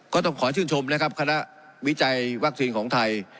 ก็ต้องขอชื่นชมนะครับคณะวิจัยวัคซีนของไทย